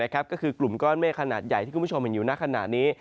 ก็คือกลุ่มก้อนเมฆขนาดใหญ่ที่คุณผู้ชมเห็นอยู่ในขณะนี้